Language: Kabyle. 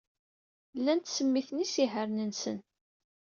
Llan ttsemmiten isihaṛen-nsen.